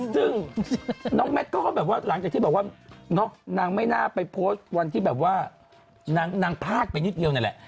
ซึ่งน้องแมทก็แบบว่าหลังจากที่บอกว่านางไม่น่าไปโพสต์วันที่แบบว่านางพากไปนิดเดียวนั่นแหละ